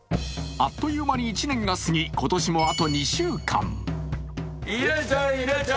あっという間に１年が過ぎ、今年もあと２週間。